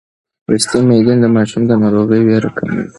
لوستې میندې د ماشوم د ناروغۍ وېره کموي.